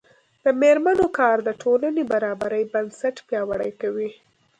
د میرمنو کار د ټولنې برابرۍ بنسټ پیاوړی کوي.